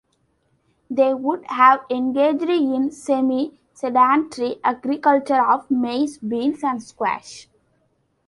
They would have engaged in semi-sedentary agriculture of maize, beans, and squash.